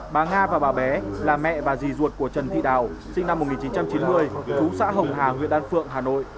bà nga và bà bé là mẹ và rì ruột của trần thị đào sinh năm một nghìn chín trăm chín mươi chú xã hồng hà huyện đan phượng hà nội